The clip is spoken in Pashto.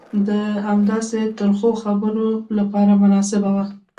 د همداسې ترخو خبرو لپاره مناسبه وه.